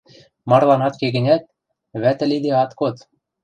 Марлан ат ке гӹнят, вӓтӹ лиде ат код.